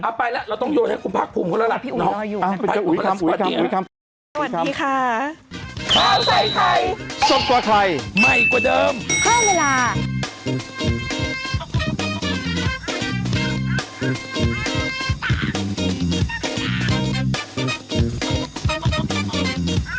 อะไปแล้วเราต้องโยนให้คุณผักภูมิกันแล้วล่ะน้องอุ๊ยคำอุ๊ยคำ